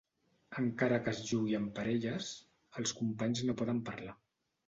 Encara que es jugui en parelles, els companys no poden parlar.